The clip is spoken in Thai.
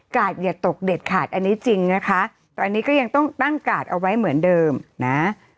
อย่าตกเด็ดขาดอันนี้จริงนะคะตอนนี้ก็ยังต้องตั้งกาดเอาไว้เหมือนเดิมนะ